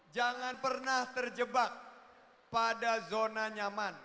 jangan pernah terjebak pada zona nyaman